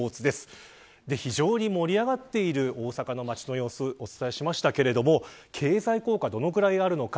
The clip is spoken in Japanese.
非常に盛り上がっている大阪の街の様子をお伝えしましたが経済効果どれくらいあるのか。